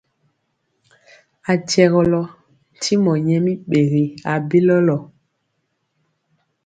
A kyɛgɔlɔ ntimɔ nyɛ mi ɓegi abilɔlɔ.